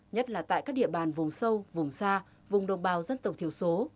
nhất là tại các địa bàn vùng sâu vùng xa vùng đồng bào dân tộc thiểu số